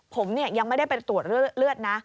ผมยังไม่ได้ไปตรวจเลือดนะ